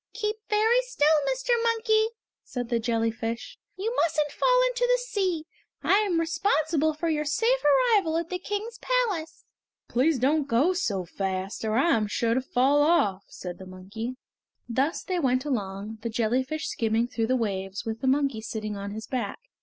"Keep very still, Mr. Monkey," said the jellyfish. "You mustn't fall into the sea; I am responsible for your safe arrival at the King's palace." "Please don't go so fast, or I am sure I shall fall off," said the monkey. Thus they went along, the jellyfish skimming through the waves with the monkey sitting on his back.